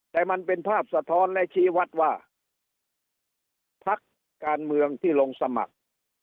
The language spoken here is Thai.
แต่มันเป็นภาพสะท้อนและชี้วัดว่าพักการเมืองที่ลงสมัคร